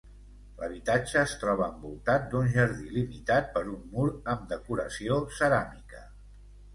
L'habitatge es troba envoltat d'un jardí limitat per un mur amb decoració ceràmica.